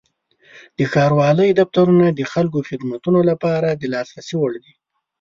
د ښاروالۍ دفترونه د خلکو خدمتونو لپاره د لاسرسي وړ دي.